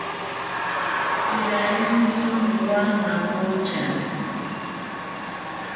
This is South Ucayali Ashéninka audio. Iraiyini owa mapocha